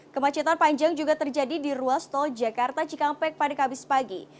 kemacetan panjang juga terjadi di ruas tol jakarta cikampek pada kamis pagi